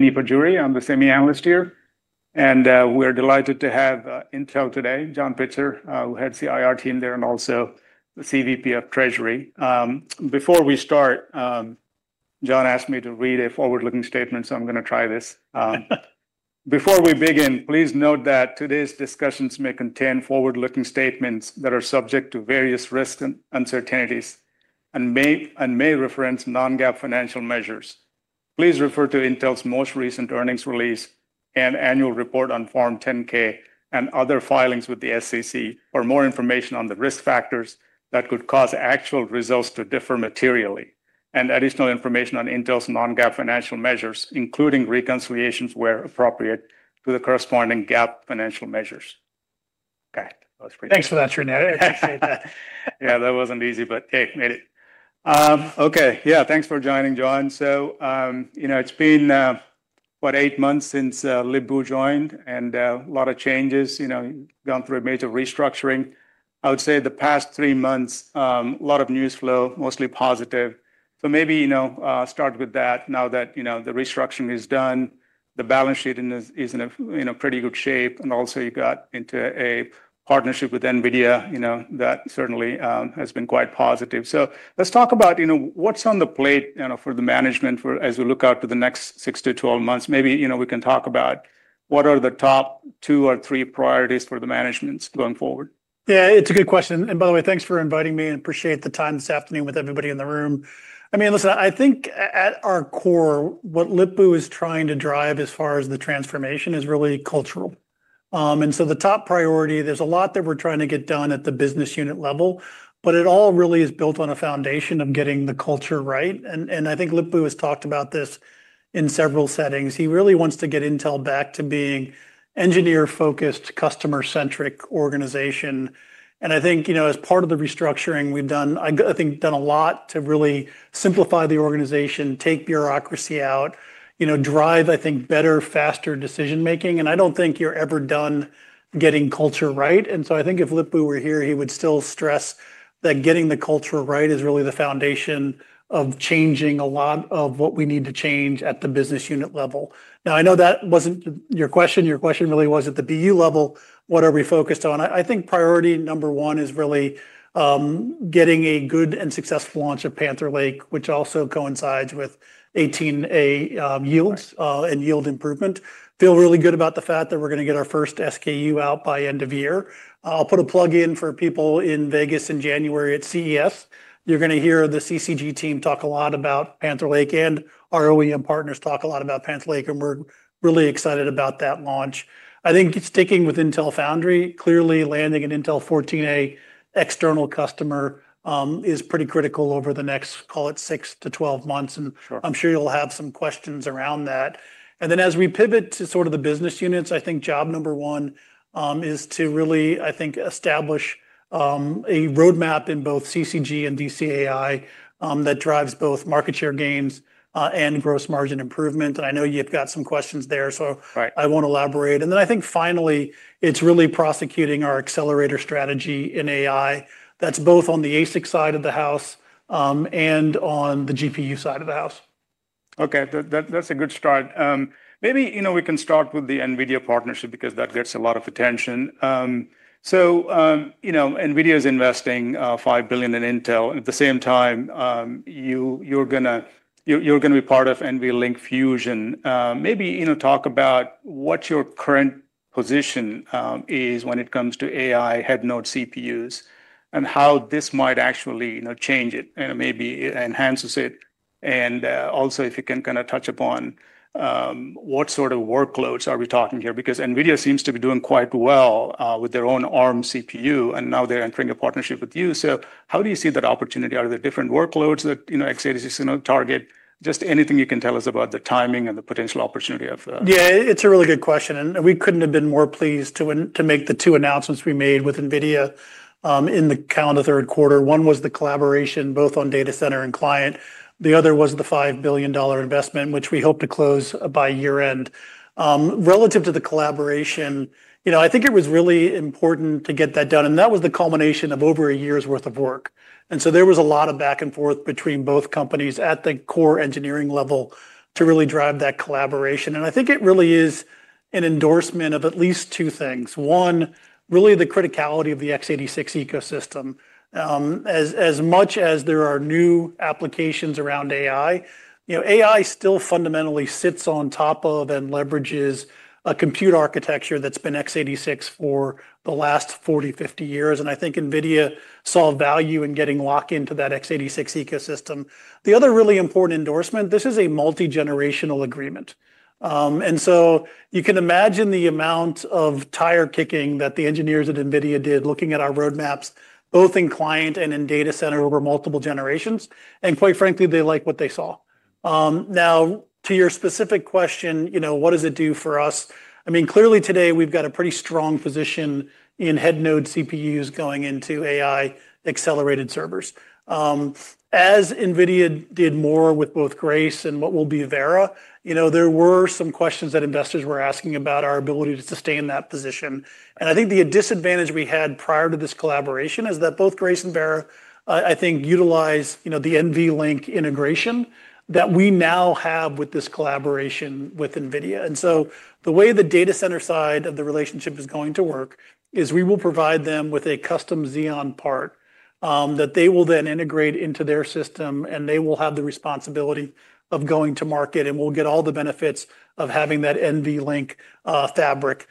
Srini Pajjuri, I'm the semi-analyst here. And we're delighted to have Intel today, John Pitzer, who heads the IR team there, and also the CVP of Treasury. Before we start, John asked me to read a forward-looking statement, so I'm going to try this. Before we begin, please note that today's discussions may contain forward-looking statements that are subject to various risks and uncertainties, and may reference non-GAAP financial measures. Please refer to Intel's most recent earnings release and annual report on Form 10-K and other filings with the SEC for more information on the risk factors that could cause actual results to differ materially, and additional information on Intel's non-GAAP financial measures, including reconciliations where appropriate to the corresponding GAAP financial measures. Okay, that was pretty good. Thanks for that, Trinidad. I appreciate that. Yeah, that wasn't easy, but hey, made it. Okay, yeah, thanks for joining, John. So, you know, it's been, what, eight months since Lip-Bu joined, and a lot of changes. You know, gone through a major restructuring. I would say the past three months, a lot of news flow, mostly positive. Maybe, you know, start with that. Now that, you know, the restructuring is done, the balance sheet is in a pretty good shape, and also you got into a partnership with NVIDIA, you know, that certainly has been quite positive. Let's talk about, you know, what's on the plate, you know, for the management for as we look out to the next 6 to 12 months. Maybe, you know, we can talk about what are the top two or three priorities for the management going forward. Yeah, it's a good question. By the way, thanks for inviting me, and appreciate the time this afternoon with everybody in the room. I mean, listen, I think at our core, what Lip-Bu is trying to drive as far as the transformation is really cultural. The top priority, there's a lot that we're trying to get done at the business unit level, but it all really is built on a foundation of getting the culture right. I think Lip-Bu has talked about this in several settings. He really wants to get Intel back to being an engineer-focused, customer-centric organization. I think, you know, as part of the restructuring, we've done, I think, done a lot to really simplify the organization, take bureaucracy out, you know, drive, I think, better, faster decision-making. I don't think you're ever done getting culture right. I think if Lip-Bu were here, he would still stress that getting the culture right is really the foundation of changing a lot of what we need to change at the business unit level. Now, I know that was not your question. Your question really was at the BU level, what are we focused on? I think priority number one is really getting a good and successful launch of Panther Lake, which also coincides with 18A yields and yield improvement. Feel really good about the fact that we are going to get our first SKU out by end of year. I will put a plug in for people in Vegas in January at CES. You are going to hear the CCG team talk a lot about Panther Lake, and ROEM partners talk a lot about Panther Lake, and we are really excited about that launch. I think sticking with Intel Foundry, clearly landing an Intel 14A external customer is pretty critical over the next, call it 6 to 12 months. I'm sure you'll have some questions around that. As we pivot to sort of the business units, I think job number one is to really, I think, establish a roadmap in both CCG and DCAI that drives both market share gains and gross margin improvement. I know you've got some questions there, so I won't elaborate. Finally, it's really prosecuting our accelerator strategy in AI that's both on the ASIC side of the house and on the GPU side of the house. Okay, that's a good start. Maybe, you know, we can start with the NVIDIA partnership because that gets a lot of attention. So, you know, NVIDIA is investing $5 billion in Intel. At the same time, you're going to be part of NVLink Fusion. Maybe, you know, talk about what your current position is when it comes to AI, headnote, CPUs, and how this might actually change it, and maybe enhance it. And also, if you can kind of touch upon what sort of workloads are we talking here? Because NVIDIA seems to be doing quite well with their own ARM CPU, and now they're entering a partnership with you. So how do you see that opportunity? Are there different workloads that, you know, x86, you know, target? Just anything you can tell us about the timing and the potential opportunity of. Yeah, it's a really good question. We couldn't have been more pleased to make the two announcements we made with NVIDIA in the calendar third quarter. One was the collaboration both on data center and client. The other was the $5 billion investment, which we hope to close by year-end. Relative to the collaboration, you know, I think it was really important to get that done. That was the culmination of over a year's worth of work. There was a lot of back and forth between both companies at the core engineering level to really drive that collaboration. I think it really is an endorsement of at least two things. One, really the criticality of the x86 ecosystem. As much as there are new applications around AI, you know, AI still fundamentally sits on top of and leverages a compute architecture that's been x86 for the last 40, 50 years. I think NVIDIA saw value in getting locked into that x86 ecosystem. The other really important endorsement, this is a multi-generational agreement. You can imagine the amount of tire kicking that the engineers at NVIDIA did looking at our roadmaps, both in client and in data center over multiple generations. Quite frankly, they like what they saw. Now, to your specific question, you know, what does it do for us? I mean, clearly today we've got a pretty strong position in headnote CPUs going into AI accelerated servers. As NVIDIA did more with both Grace and what will be Vera, you know, there were some questions that investors were asking about our ability to sustain that position. I think the disadvantage we had prior to this collaboration is that both Grace and Vera, I think, utilize, you know, the NVLink integration that we now have with this collaboration with NVIDIA. The way the data center side of the relationship is going to work is we will provide them with a custom Xeon part that they will then integrate into their system, and they will have the responsibility of going to market, and we'll get all the benefits of having that NVLink fabric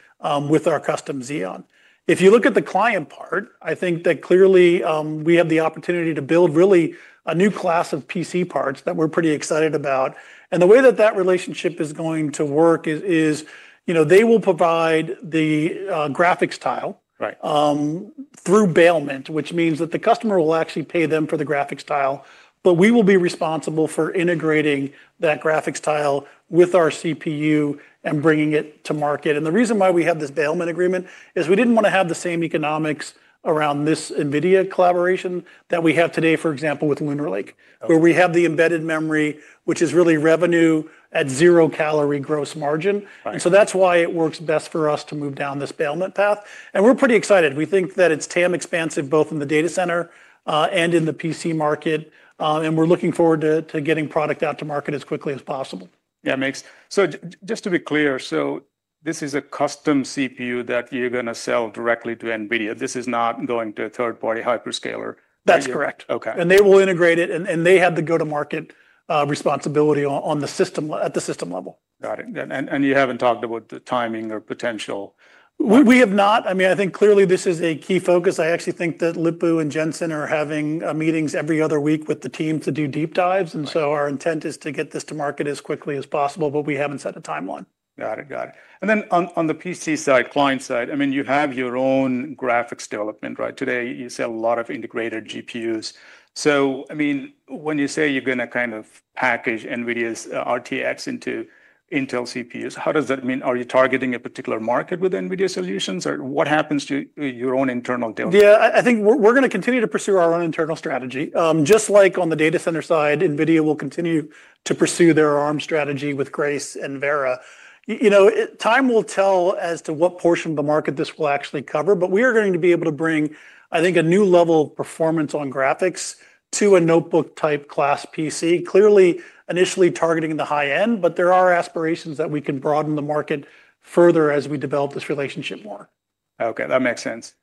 with our custom Xeon. If you look at the client part, I think that clearly we have the opportunity to build really a new class of PC parts that we're pretty excited about. The way that that relationship is going to work is, you know, they will provide the graphics tile through bailment, which means that the customer will actually pay them for the graphics tile, but we will be responsible for integrating that graphics tile with our CPU and bringing it to market. The reason why we have this bailment agreement is we did not want to have the same economics around this NVIDIA collaboration that we have today, for example, with Lunar Lake, where we have the embedded memory, which is really revenue at zero calorie gross margin. That is why it works best for us to move down this bailment path. We are pretty excited. We think that it is TAM expansive both in the data center and in the PC market. We are looking forward to getting product out to market as quickly as possible. Yeah, it makes. Just to be clear, this is a custom CPU that you're going to sell directly to NVIDIA. This is not going to a third-party hyperscaler. That's correct. They will integrate it, and they have the go-to-market responsibility at the system level. Got it. You have not talked about the timing or potential. We have not. I mean, I think clearly this is a key focus. I actually think that Lip-Bu and Jensen are having meetings every other week with the team to do deep dives. Our intent is to get this to market as quickly as possible, but we have not set a timeline. Got it. Got it. On the PC side, client side, I mean, you have your own graphics development, right? Today you sell a lot of integrated GPUs. I mean, when you say you're going to kind of package NVIDIA's RTX into Intel CPUs, how does that mean? Are you targeting a particular market with NVIDIA solutions, or what happens to your own internal development? Yeah, I think we're going to continue to pursue our own internal strategy. Just like on the data center side, NVIDIA will continue to pursue their ARM strategy with Grace and Vera. You know, time will tell as to what portion of the market this will actually cover, but we are going to be able to bring, I think, a new level of performance on graphics to a notebook-type class PC, clearly initially targeting the high end, but there are aspirations that we can broaden the market further as we develop this relationship more. Okay, that makes sense.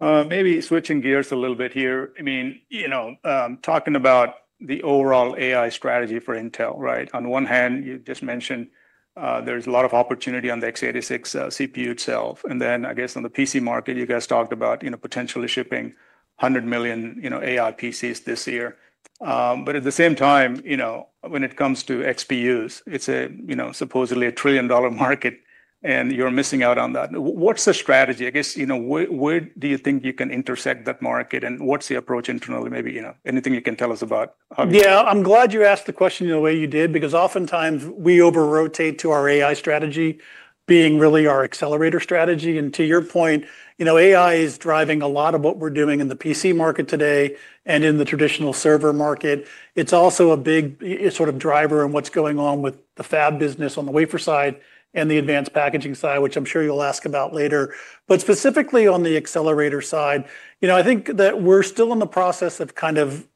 Maybe switching gears a little bit here. I mean, you know, talking about the overall AI strategy for Intel, right? On one hand, you just mentioned there's a lot of opportunity on the x86 CPU itself. And then I guess on the PC market, you guys talked about, you know, potentially shipping 100 million, you know, AI PCs this year. At the same time, you know, when it comes to XPUs, it's a, you know, supposedly a trillion-dollar market, and you're missing out on that. What's the strategy? I guess, you know, where do you think you can intersect that market, and what's the approach internally? Maybe, you know, anything you can tell us about. Yeah, I'm glad you asked the question in the way you did, because oftentimes we over-rotate to our AI strategy being really our accelerator strategy. And to your point, you know, AI is driving a lot of what we're doing in the PC market today and in the traditional server market. It's also a big sort of driver in what's going on with the fab business on the wafer side and the advanced packaging side, which I'm sure you'll ask about later. But specifically on the accelerator side, you know, I think that we're still in the process of kind of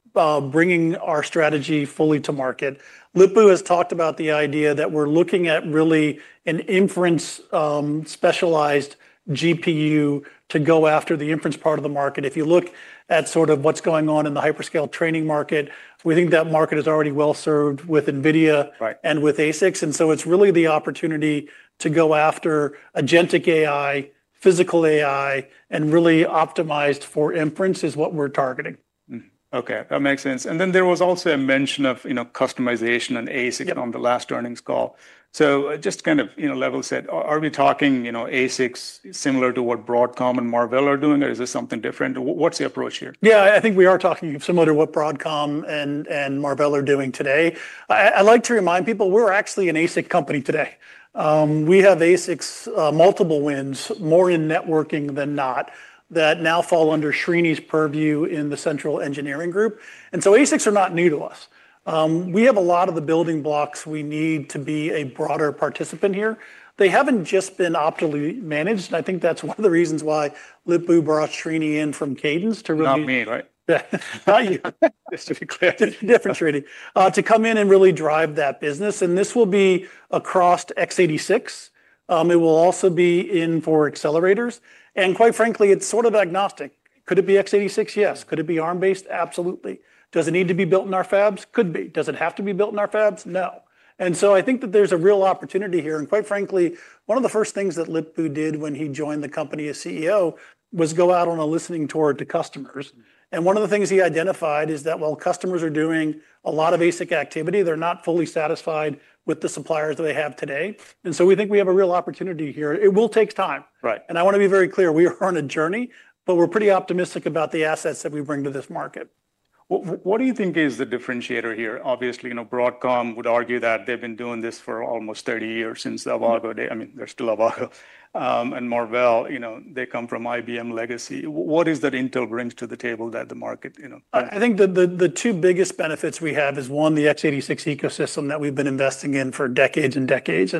bringing our strategy fully to market. Lip-Bu has talked about the idea that we're looking at really an inference-specialized GPU to go after the inference part of the market. If you look at sort of what's going on in the hyperscale training market, we think that market is already well served with NVIDIA and with ASIC. It is really the opportunity to go after agentic AI, physical AI, and really optimized for inference is what we're targeting. Okay, that makes sense. There was also a mention of, you know, customization and ASIC on the last earnings call. Just kind of, you know, level set, are we talking, you know, ASICs similar to what Broadcom and Marvell are doing, or is this something different? What's the approach here? Yeah, I think we are talking similar to what Broadcom and Marvell are doing today. I like to remind people we're actually an ASIC company today. We have ASICs, multiple wins, more in networking than not, that now fall under Srini's purview in the central engineering group. ASICs are not new to us. We have a lot of the building blocks we need to be a broader participant here. They haven't just been optimally managed. I think that's one of the reasons why Lip-Bu brought Srini in from Cadence to really. Not me, right? Not you. Just to be clear, different Srini, to come in and really drive that business. This will be across x86. It will also be in for accelerators. Quite frankly, it is sort of agnostic. Could it be x86? Yes. Could it be ARM-based? Absolutely. Does it need to be built in our fabs? Could be. Does it have to be built in our fabs? No. I think that there is a real opportunity here. Quite frankly, one of the first things that Lip-Bu did when he joined the company as CEO was go out on a listening tour to customers. One of the things he identified is that while customers are doing a lot of ASIC activity, they are not fully satisfied with the suppliers that they have today. We think we have a real opportunity here. It will take time. I want to be very clear, we are on a journey, but we're pretty optimistic about the assets that we bring to this market. What do you think is the differentiator here? Obviously, you know, Broadcom would argue that they've been doing this for almost 30 years since Avago. I mean, they're still Avago. And Marvell, you know, they come from IBM legacy. What is that Intel brings to the table that the market, you know? I think the two biggest benefits we have is one, the x86 ecosystem that we've been investing in for decades and decades.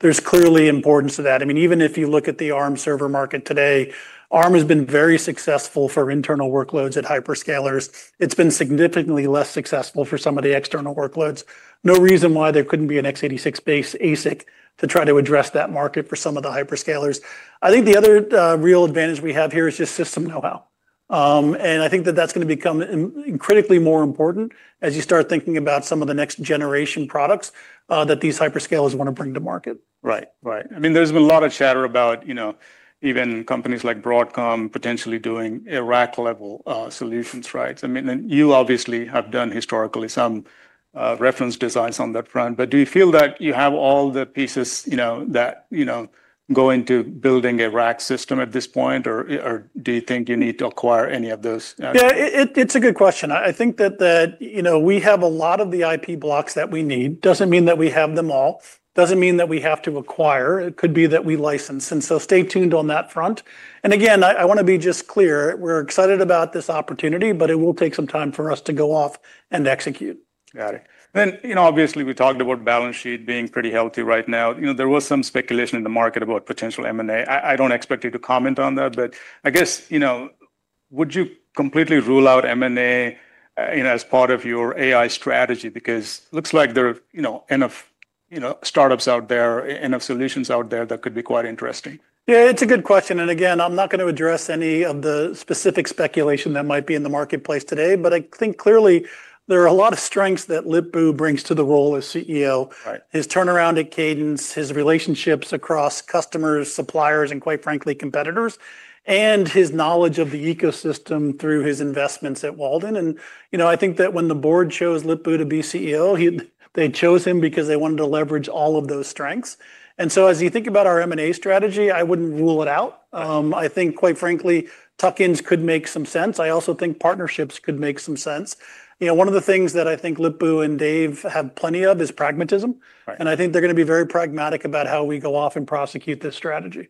There's clearly importance to that. I mean, even if you look at the ARM server market today, ARM has been very successful for internal workloads at hyperscalers. It's been significantly less successful for some of the external workloads. No reason why there couldn't be an x86-based ASIC to try to address that market for some of the hyperscalers. I think the other real advantage we have here is just system know-how. I think that that's going to become critically more important as you start thinking about some of the next generation products that these hyperscalers want to bring to market. Right, right. I mean, there's been a lot of chatter about, you know, even companies like Broadcom potentially doing rack-level solutions, right? I mean, you obviously have done historically some reference designs on that front, but do you feel that you have all the pieces, you know, that, you know, go into building a rack system at this point, or do you think you need to acquire any of those? Yeah, it's a good question. I think that, you know, we have a lot of the IP blocks that we need. It doesn't mean that we have them all. It doesn't mean that we have to acquire. It could be that we license. Stay tuned on that front. Again, I want to be just clear, we're excited about this opportunity, but it will take some time for us to go off and execute. Got it. You know, obviously we talked about balance sheet being pretty healthy right now. There was some speculation in the market about potential M&A. I do not expect you to comment on that, but I guess, you know, would you completely rule out M&A, you know, as part of your AI strategy? Because it looks like there are, you know, enough, you know, startups out there, enough solutions out there that could be quite interesting. Yeah, it's a good question. Again, I'm not going to address any of the specific speculation that might be in the marketplace today, but I think clearly there are a lot of strengths that Lip-Bu brings to the role as CEO, his turnaround at Cadence, his relationships across customers, suppliers, and quite frankly, competitors, and his knowledge of the ecosystem through his investments at Walden. You know, I think that when the board chose Lip-Bu to be CEO, they chose him because they wanted to leverage all of those strengths. As you think about our M&A strategy, I wouldn't rule it out. I think quite frankly, tuck-ins could make some sense. I also think partnerships could make some sense. You know, one of the things that I think Lip-Bu and Dave have plenty of is pragmatism. I think they're going to be very pragmatic about how we go off and prosecute this strategy.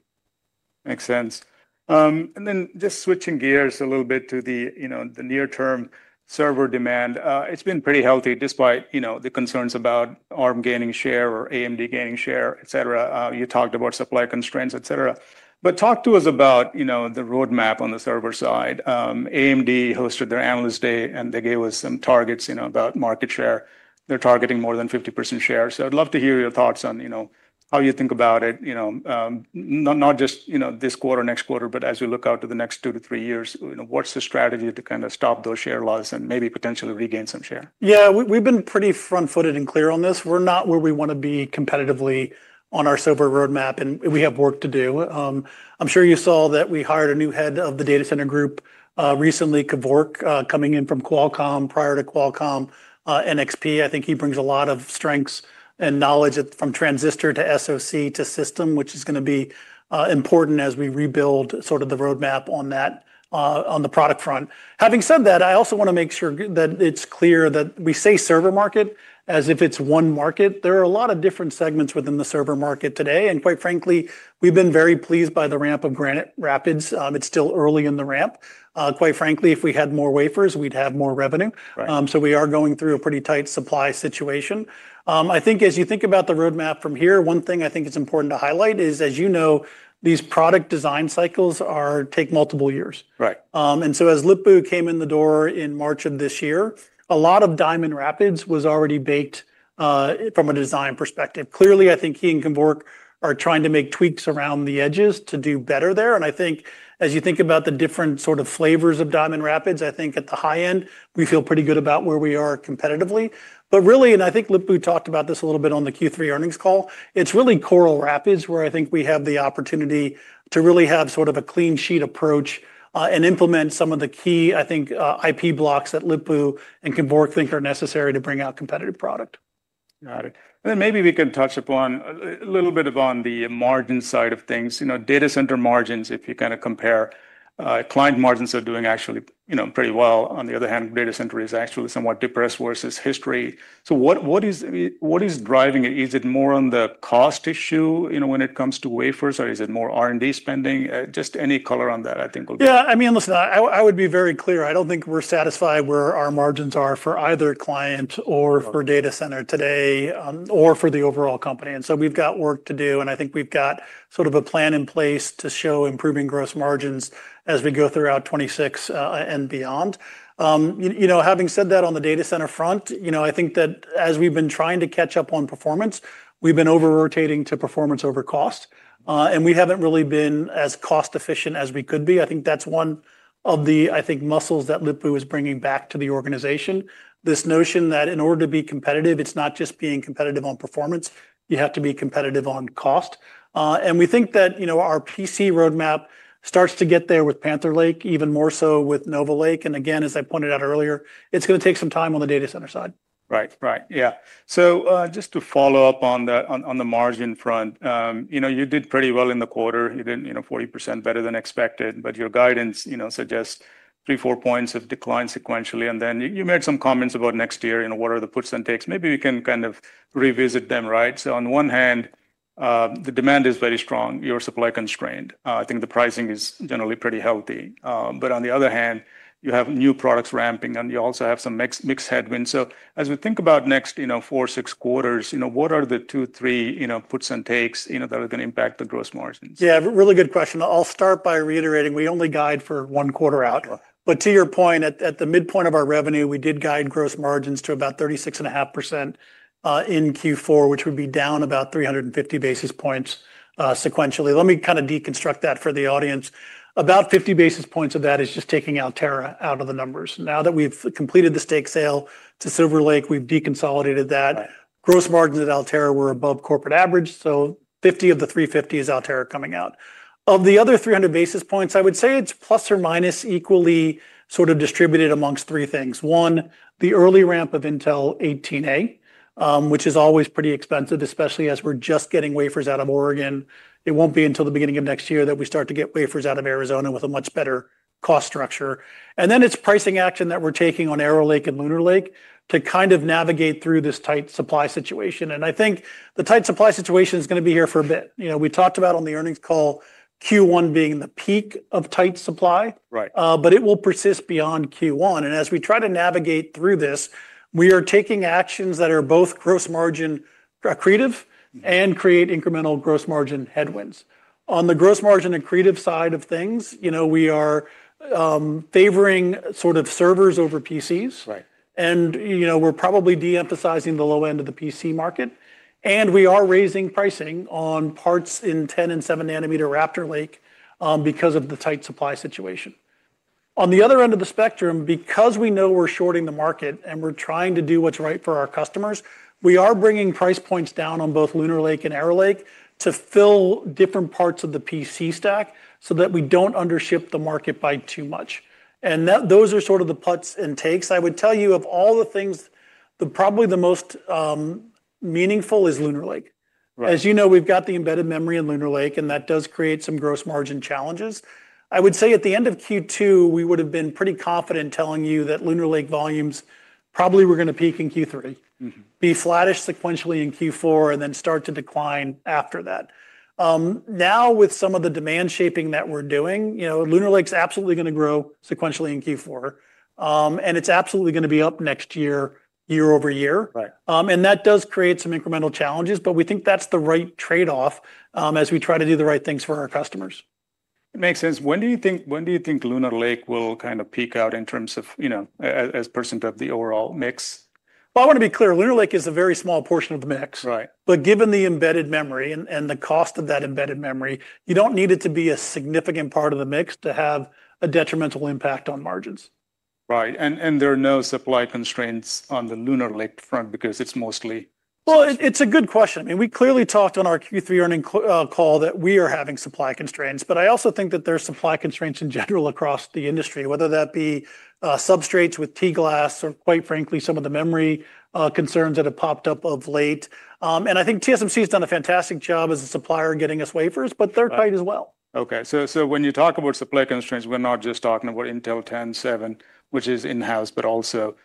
Makes sense. And then just switching gears a little bit to the, you know, the near-term server demand, it's been pretty healthy despite, you know, the concerns about ARM gaining share or AMD gaining share, et cetera. You talked about supply constraints, et cetera. But talk to us about, you know, the roadmap on the server side. AMD hosted their analyst day, and they gave us some targets, you know, about market share. They're targeting more than 50% share. So I'd love to hear your thoughts on, you know, how you think about it, you know, not just, you know, this quarter, next quarter, but as we look out to the next two to three years, you know, what's the strategy to kind of stop those share loss and maybe potentially regain some share? Yeah, we've been pretty front-footed and clear on this. We're not where we want to be competitively on our server roadmap, and we have work to do. I'm sure you saw that we hired a new head of the data center group recently, Kevork, coming in from Qualcomm, prior to Qualcomm NXP. I think he brings a lot of strengths and knowledge from transistor to SoC to system, which is going to be important as we rebuild sort of the roadmap on that, on the product front. Having said that, I also want to make sure that it's clear that we say server market as if it's one market. There are a lot of different segments within the server market today. Quite frankly, we've been very pleased by the ramp of Granite Rapids. It's still early in the ramp. Quite frankly, if we had more wafers, we'd have more revenue. We are going through a pretty tight supply situation. I think as you think about the roadmap from here, one thing I think it's important to highlight is, as you know, these product design cycles take multiple years. As Lip-Bu came in the door in March of this year, a lot of Diamond Rapids was already baked from a design perspective. Clearly, I think he and Kevork are trying to make tweaks around the edges to do better there. I think as you think about the different sort of flavors of Diamond Rapids, at the high end, we feel pretty good about where we are competitively. Really, and I think Lip-Bu talked about this a little bit on the Q3 earnings call, it's really Coral Rapids where I think we have the opportunity to really have sort of a clean sheet approach and implement some of the key, I think, IP blocks that Lip-Bu and Kevork think are necessary to bring out competitive product. Got it. Maybe we can touch upon a little bit on the margin side of things. You know, data center margins, if you kind of compare, client margins are doing actually, you know, pretty well. On the other hand, data center is actually somewhat depressed versus history. What is driving it? Is it more on the cost issue, you know, when it comes to wafers, or is it more R&D spending? Just any color on that, I think will be. Yeah, I mean, listen, I would be very clear. I don't think we're satisfied where our margins are for either client or for data center today or for the overall company. And so we've got work to do. I think we've got sort of a plan in place to show improving gross margins as we go throughout 2026 and beyond. You know, having said that on the data center front, you know, I think that as we've been trying to catch up on performance, we've been over-rotating to performance over cost. We haven't really been as cost-efficient as we could be. I think that's one of the, I think, muscles that Lip-Bu is bringing back to the organization. This notion that in order to be competitive, it's not just being competitive on performance, you have to be competitive on cost. We think that, you know, our PC roadmap starts to get there with Panther Lake, even more so with Nova Lake. As I pointed out earlier, it's going to take some time on the data center side. Right, right. Yeah. Just to follow up on the margin front, you know, you did pretty well in the quarter. You did, you know, 40% better than expected, but your guidance, you know, suggests three, four points of decline sequentially. You made some comments about next year, you know, what are the puts and takes? Maybe we can kind of revisit them, right? On one hand, the demand is very strong. You're supply constrained. I think the pricing is generally pretty healthy. On the other hand, you have new products ramping, and you also have some mixed headwinds. As we think about the next, you know, four, six quarters, you know, what are the two, three, you know, puts and takes, you know, that are going to impact the gross margins? Yeah, really good question. I'll start by reiterating, we only guide for one quarter out. To your point, at the midpoint of our revenue, we did guide gross margins to about 36.5% in Q4, which would be down about 350 basis points sequentially. Let me kind of deconstruct that for the audience. About 50 basis points of that is just taking Altera out of the numbers. Now that we've completed the stake sale to Silver Lake, we've deconsolidated that. Gross margins at Altera were above corporate average. So 50 of the 350 is Altera coming out. Of the other 300 basis points, I would say it's plus or minus equally sort of distributed amongst three things. One, the early ramp of Intel 18A, which is always pretty expensive, especially as we're just getting wafers out of Oregon. It won't be until the beginning of next year that we start to get wafers out of Arizona with a much better cost structure. It is pricing action that we're taking on Arrow Lake and Lunar Lake to kind of navigate through this tight supply situation. I think the tight supply situation is going to be here for a bit. You know, we talked about on the earnings call, Q1 being the peak of tight supply, but it will persist beyond Q1. As we try to navigate through this, we are taking actions that are both gross margin creative and create incremental gross margin headwinds. On the gross margin creative side of things, you know, we are favoring sort of servers over PCs. You know, we're probably de-emphasizing the low end of the PC market. We are raising pricing on parts in 10 and 7 nanometer Raptor Lake because of the tight supply situation. On the other end of the spectrum, because we know we're shorting the market and we're trying to do what's right for our customers, we are bringing price points down on both Lunar Lake and Arrow Lake to fill different parts of the PC stack so that we don't undership the market by too much. Those are sort of the puts and takes. I would tell you of all the things, probably the most meaningful is Lunar Lake. As you know, we've got the embedded memory in Lunar Lake, and that does create some gross margin challenges. I would say at the end of Q2, we would have been pretty confident telling you that Lunar Lake volumes probably were going to peak in Q3, be flattish sequentially in Q4, and then start to decline after that. Now, with some of the demand shaping that we're doing, you know, Lunar Lake's absolutely going to grow sequentially in Q4. It's absolutely going to be up next year, year over year. That does create some incremental challenges, but we think that's the right trade-off as we try to do the right things for our customers. It makes sense. When do you think Lunar Lake will kind of peak out in terms of, you know, as % of the overall mix? I want to be clear. Lunar Lake is a very small portion of the mix. But given the embedded memory and the cost of that embedded memory, you do not need it to be a significant part of the mix to have a detrimental impact on margins. Right. There are no supply constraints on the Lunar Lake front because it's mostly. It's a good question. I mean, we clearly talked on our Q3 earnings call that we are having supply constraints, but I also think that there are supply constraints in general across the industry, whether that be substrates with T-Glass or, quite frankly, some of the memory concerns that have popped up of late. I think TSMC has done a fantastic job as a supplier getting us wafers, but they're tight as well. Okay. When you talk about supply constraints, we're not just talking about Intel 10, 7, which is in-house, but also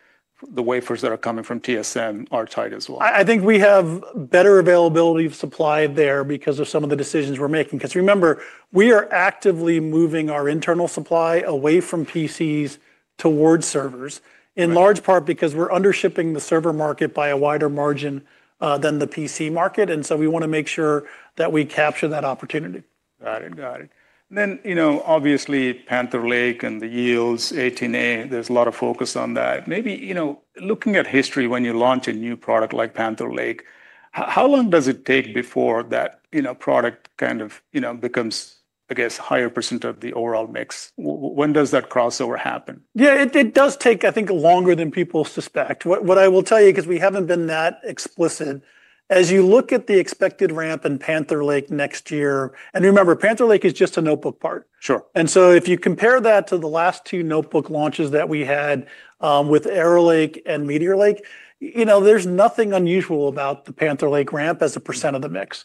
the wafers that are coming from TSMC are tight as well. I think we have better availability of supply there because of some of the decisions we're making. Remember, we are actively moving our internal supply away from PCs towards servers, in large part because we're undershipping the server market by a wider margin than the PC market. We want to make sure that we capture that opportunity. Got it. Got it. You know, obviously Panther Lake and the yields, 18A, there's a lot of focus on that. Maybe, you know, looking at history when you launch a new product like Panther Lake, how long does it take before that, you know, product kind of, you know, becomes, I guess, higher % of the overall mix? When does that crossover happen? Yeah, it does take, I think, longer than people suspect. What I will tell you, because we haven't been that explicit, as you look at the expected ramp in Panther Lake next year, and remember, Panther Lake is just a notebook part. If you compare that to the last two notebook launches that we had with Arrow Lake and Meteor Lake, you know, there's nothing unusual about the Panther Lake ramp as a % of the mix.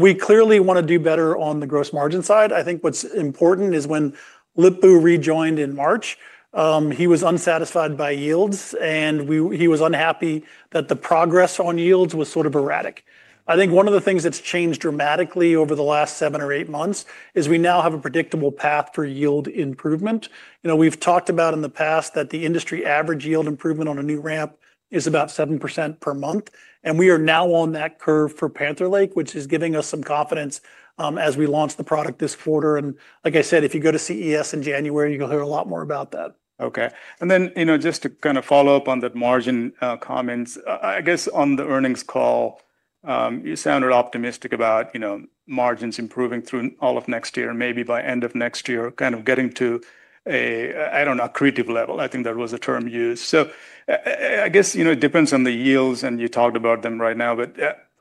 We clearly want to do better on the gross margin side. I think what's important is when Lip-Bu rejoined in March, he was unsatisfied by yields, and he was unhappy that the progress on yields was sort of erratic. I think one of the things that's changed dramatically over the last seven or eight months is we now have a predictable path for yield improvement. You know, we've talked about in the past that the industry average yield improvement on a new ramp is about 7% per month. We are now on that curve for Panther Lake, which is giving us some confidence as we launch the product this quarter. Like I said, if you go to CES in January, you'll hear a lot more about that. Okay. And then, you know, just to kind of follow up on that margin comments, I guess on the earnings call, you sounded optimistic about, you know, margins improving through all of next year, maybe by end of next year, kind of getting to a, I do not know, creative level. I think that was a term used. So I guess, you know, it depends on the yields, and you talked about them right now, but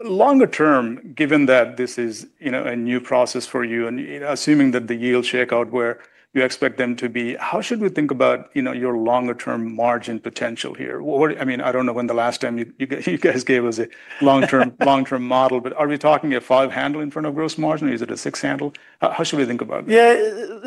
longer term, given that this is, you know, a new process for you and assuming that the yields shake out where you expect them to be, how should we think about, you know, your longer term margin potential here? I mean, I do not know when the last time you guys gave us a long-term model, but are we talking a five handle in front of gross margin or is it a six handle? How should we think about it? Yeah,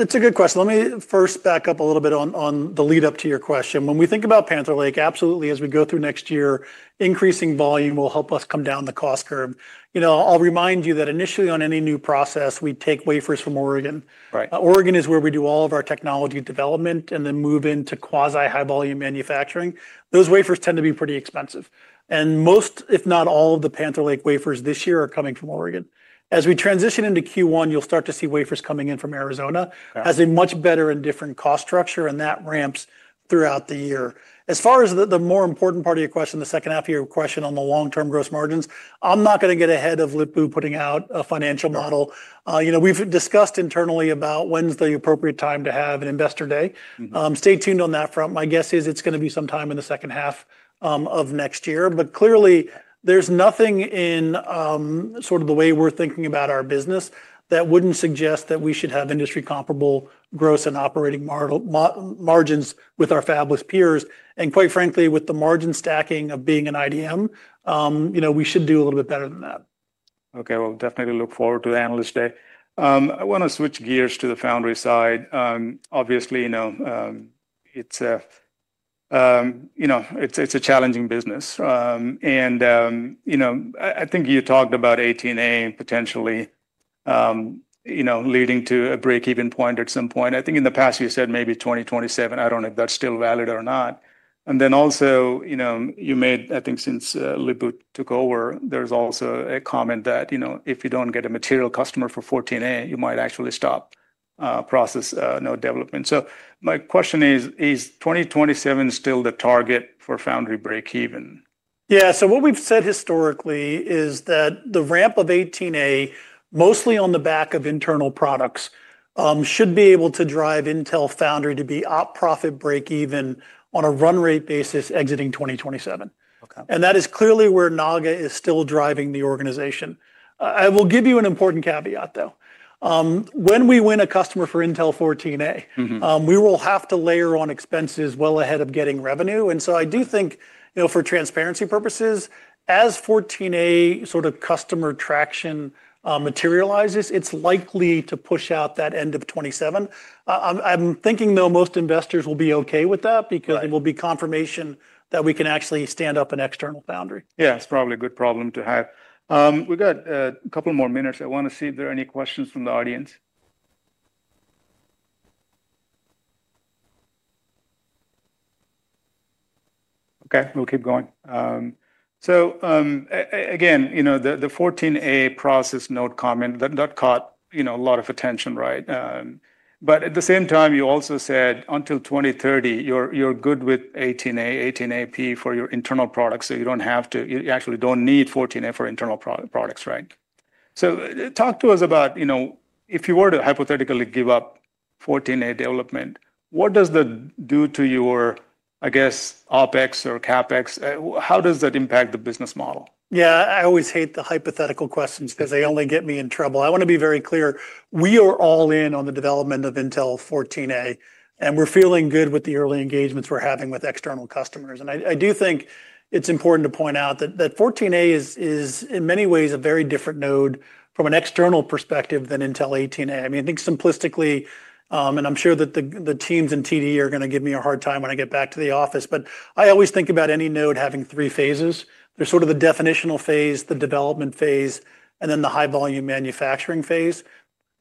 it's a good question. Let me first back up a little bit on the lead up to your question. When we think about Panther Lake, absolutely, as we go through next year, increasing volume will help us come down the cost curve. You know, I'll remind you that initially on any new process, we take wafers from Oregon. Oregon is where we do all of our technology development and then move into quasi-high volume manufacturing. Those wafers tend to be pretty expensive. Most, if not all, of the Panther Lake wafers this year are coming from Oregon. As we transition into Q1, you'll start to see wafers coming in from Arizona as a much better and different cost structure, and that ramps throughout the year. As far as the more important part of your question, the second half of your question on the long-term gross margins, I'm not going to get ahead of Lip-Bu putting out a financial model. You know, we've discussed internally about when's the appropriate time to have an investor day. Stay tuned on that front. My guess is it's going to be sometime in the second half of next year. Clearly, there's nothing in sort of the way we're thinking about our business that wouldn't suggest that we should have industry comparable gross and operating margins with our fabless peers. Quite frankly, with the margin stacking of being an IDM, you know, we should do a little bit better than that. Okay. Definitely look forward to the analyst day. I want to switch gears to the foundry side. Obviously, you know, it's a challenging business. And, you know, I think you talked about 18A potentially, you know, leading to a break-even point at some point. I think in the past, you said maybe 2027. I don't know if that's still valid or not. Also, you know, you made, I think since Lip-Bu took over, there's also a comment that, you know, if you don't get a material customer for 14A, you might actually stop process development. My question is, is 2027 still the target for foundry break-even? Yeah. So what we've said historically is that the ramp of 18A, mostly on the back of internal products, should be able to drive Intel foundry to be operating at a profit break-even on a run rate basis exiting 2027. That is clearly where Naga is still driving the organization. I will give you an important caveat, though. When we win a customer for Intel 14A, we will have to layer on expenses well ahead of getting revenue. I do think, you know, for transparency purposes, as 14A sort of customer traction materializes, it's likely to push out that end of 2027. I'm thinking, though, most investors will be okay with that because it will be confirmation that we can actually stand up an external foundry. Yeah, it's probably a good problem to have. We've got a couple more minutes. I want to see if there are any questions from the audience. Okay. We'll keep going. Again, you know, the 14A process node comment that caught, you know, a lot of attention, right? At the same time, you also said until 2030, you're good with 18A, 18AP for your internal products. You don't have to, you actually don't need 14A for internal products, right? Talk to us about, you know, if you were to hypothetically give up 14A development, what does that do to your, I guess, OpEx or CapEx? How does that impact the business model? Yeah, I always hate the hypothetical questions because they only get me in trouble. I want to be very clear. We are all in on the development of Intel 14A, and we're feeling good with the early engagements we're having with external customers. I do think it's important to point out that 14A is, in many ways, a very different node from an external perspective than Intel 18A. I mean, I think simplistically, and I'm sure that the teams in TD are going to give me a hard time when I get back to the office, but I always think about any node having three phases. There's sort of the definitional phase, the development phase, and then the high-volume manufacturing phase.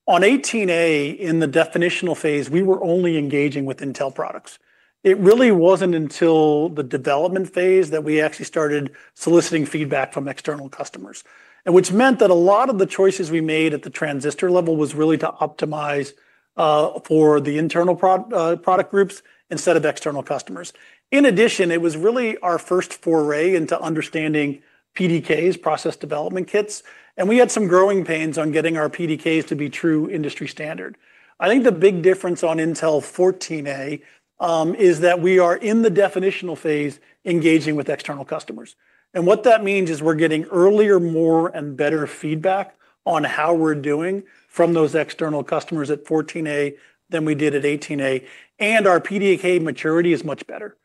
On 18A, in the definitional phase, we were only engaging with Intel products. It really wasn't until the development phase that we actually started soliciting feedback from external customers, which meant that a lot of the choices we made at the transistor level was really to optimize for the internal product groups instead of external customers. In addition, it was really our first foray into understanding PDKs, process development kits, and we had some growing pains on getting our PDKs to be true industry standard. I think the big difference on Intel 14A is that we are in the definitional phase engaging with external customers. What that means is we're getting earlier, more, and better feedback on how we're doing from those external customers at 14A than we did at 18A. Our PDK maturity is much better.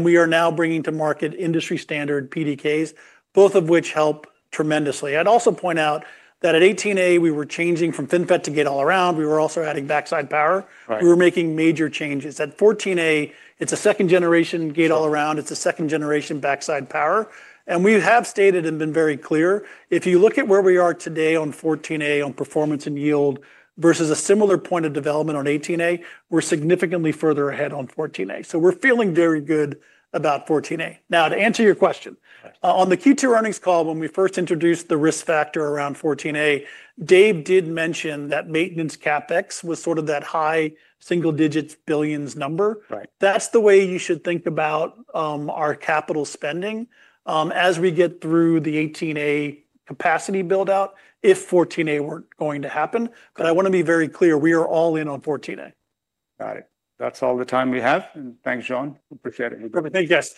We are now bringing to market industry standard PDKs, both of which help tremendously. I'd also point out that at 18A, we were changing from FinFET to Gate All-Around. We were also adding backside power. We were making major changes. At 14A, it's a second-generation Gate All-Around. It's a second-generation backside power. We have stated and been very clear, if you look at where we are today on 14A on performance and yield versus a similar point of development on 18A, we're significantly further ahead on 14A. We are feeling very good about 14A. To answer your question, on the Q2 earnings call, when we first introduced the risk factor around 14A, Dave did mention that maintenance CapEx was sort of that high single digits billions number. That's the way you should think about our capital spending as we get through the 18A capacity build-out if 14A weren't going to happen. I want to be very clear, we are all in on 14A. Got it. That's all the time we have. Thanks, John. Appreciate it. Thank you.